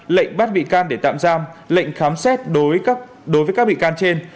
lệnh bắt bị can để tạm giam lệnh khám xét đối với các bị can trên